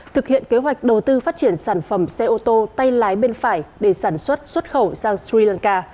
thực hiện kế hoạch đầu tư phát triển sản phẩm xe ô tô tay lái bên phải để sản xuất xuất khẩu sang sri lanka